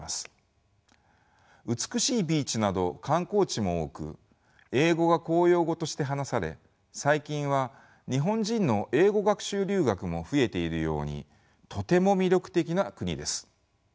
美しいビーチなど観光地も多く英語が公用語として話され最近は日本人の英語学習留学も増えているようにとても魅力的な国です。